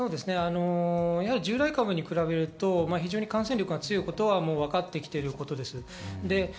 従来株に比べると非常に感染力が強いことは分かってきていることです。